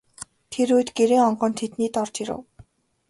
Энэ үед Гэрийн онгон тэднийд орж ирэв.